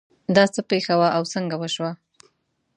دا څه پېښه وه او څنګه وشوه